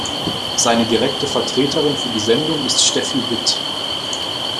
Seine direkte Vertreterin für die Sendung ist Steffi Vitt.